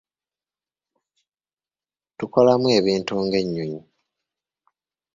Tukolamu ebintu ng'ennyonyi.